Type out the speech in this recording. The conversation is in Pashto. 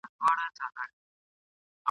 اقبال خان په جنګ کي ګډون کړی وو.